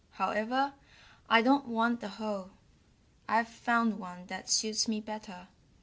However, I don't want the hole. I've found one that suits me better.